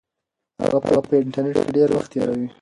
هغه په انټرنیټ کې ډېر وخت تیروي.